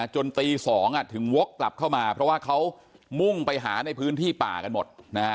จนตี๒ถึงวกกลับเข้ามาเพราะว่าเขามุ่งไปหาในพื้นที่ป่ากันหมด